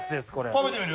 食べてみる？